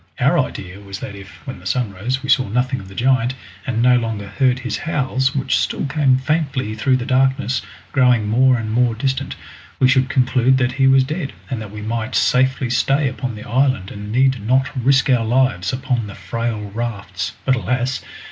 Our idea was that if, when the sun rose, we saw nothing of the giant, and no longer heard his howls, which still came faintly through the darkness, growing more and more distant, we should conclude that he was dead, and that we might safely stay upon the island and need not risk our lives upon the frail rafts. But alas!